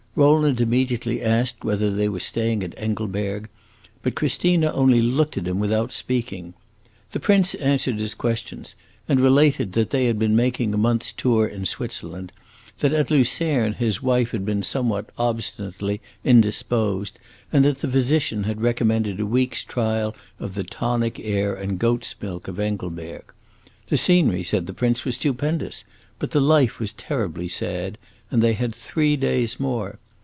Rowland immediately asked whether they were staying at Engelberg, but Christina only looked at him without speaking. The prince answered his questions, and related that they had been making a month's tour in Switzerland, that at Lucerne his wife had been somewhat obstinately indisposed, and that the physician had recommended a week's trial of the tonic air and goat's milk of Engelberg. The scenery, said the prince, was stupendous, but the life was terribly sad and they had three days more!